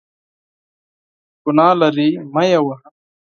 ګناه لري ، مه یې وهه !